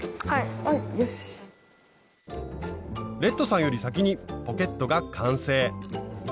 レッドさんより先にポケットが完成。